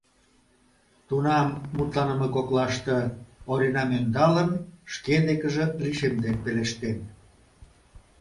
Тунам, мутланыме коклаште, Оринам ӧндалын, шке декыже лишемден пелештен: